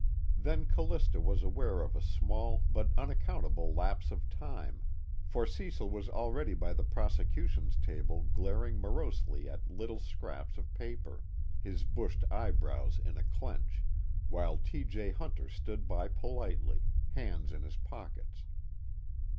_ Then Callista was aware of a small but unaccountable lapse of time, for Cecil was already by the prosecution's table glaring morosely at little scraps of paper, his bushed eyebrows in a clench, while T. J. Hunter stood by politely, hands in his pockets.